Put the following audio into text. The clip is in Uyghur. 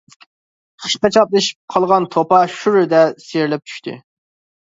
خىشقا چاپلىشىپ قالغان توپا شۇررىدە سىيرىلىپ چۈشتى.